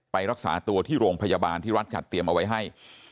รักษาตัวที่โรงพยาบาลที่รัฐจัดเตรียมเอาไว้ให้